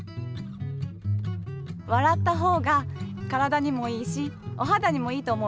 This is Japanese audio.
笑った方が体にもいいしおはだにもいいと思うからです。